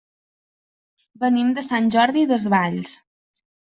Venim de Sant Jordi Desvalls.